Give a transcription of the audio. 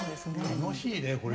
楽しいねこれ。